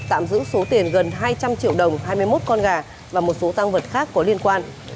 tạm giữ số tiền gần hai trăm linh triệu đồng hai mươi một con gà và một số tăng vật khác có liên quan